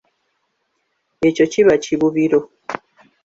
Ekyo kiba kibubiro.